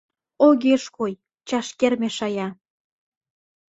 Огеш кой, чашкер мешая.